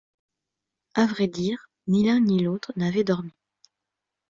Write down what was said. À vrai dire, ni l’un ni l’autre n’avaient dormi.